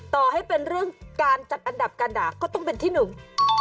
ต่อให้เป็นเรื่องการจัดอันดับการด่าก็ต้องเป็นที่หนึ่ง